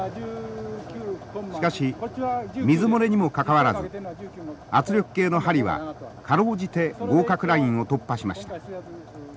しかし水漏れにもかかわらず圧力計の針は辛うじて合格ラインを突破しました。